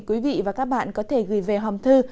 quý vị và các bạn có thể gửi về hòm thư